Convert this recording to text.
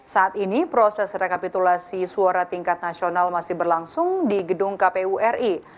saat ini proses rekapitulasi suara tingkat nasional masih berlangsung di gedung kpu ri